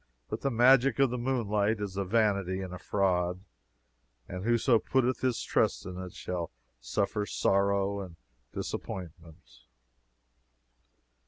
But the magic of the moonlight is a vanity and a fraud; and whoso putteth his trust in it shall suffer sorrow and disappointment.